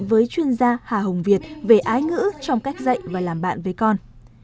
với chuyên gia hà hồng việt về ái ngữ trong cách dạy và làm bạn với con